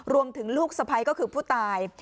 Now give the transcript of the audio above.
ลูกสะพ้ายก็คือผู้ตาย